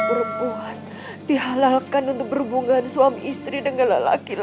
silahkan ikut dengan kami